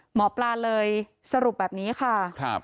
หมอปลาเลยสรุปแบบนี้ค่ะ